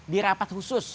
di rapat khusus